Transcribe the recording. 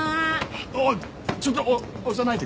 おおちょっとお押さないで。